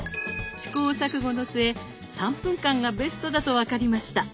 試行錯誤の末３分間がベストだと分かりました。